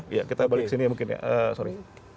iya kita balik ke sini ya mungkin ya sorry